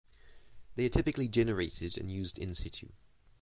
They are typically generated and used in situ.